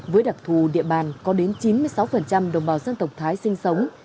với đặc thù địa bàn có đến chín mươi sáu đồng bào dân tộc thái sinh sống